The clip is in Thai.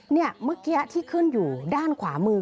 เมื่อกี้ที่ขึ้นอยู่ด้านขวามือ